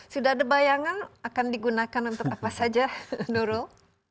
sudah ada bayangan akan digunakan untuk apa saja nurul